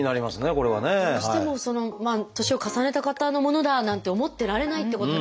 これはね。どうしても年を重ねた方のものだなんて思ってられないってことですよね